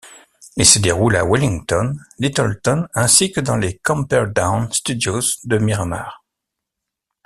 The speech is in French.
Il se déroule à Wellington, Lyttelton ainsi que dans les Camperdown Studios de Miramar.